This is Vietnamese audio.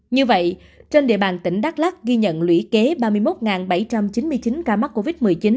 như vậy trên địa bàn tỉnh đắk lắc ghi nhận lũy kế ba mươi một bảy trăm chín mươi chín ca mắc covid một mươi chín